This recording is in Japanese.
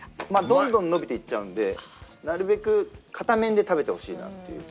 どんどん伸びていっちゃうんでなるべくかた麺で食べてほしいなという。